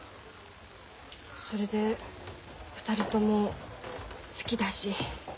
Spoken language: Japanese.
それで２人とも好きだし。